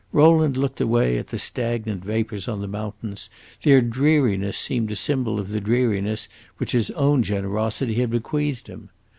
Rowland looked away at the stagnant vapors on the mountains; their dreariness seemed a symbol of the dreariness which his own generosity had bequeathed him.